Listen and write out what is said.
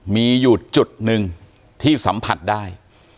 มีอยู่จุดหนึ่งที่สัมผัสได้